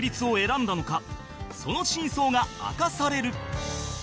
その真相が明かされる